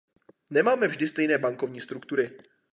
Nemáme vždy stejné bankovní struktury.